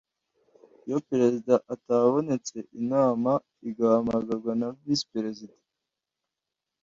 iyo perezida atabonetse inama igahamagarwa na visi perezida